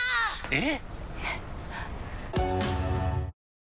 えっ？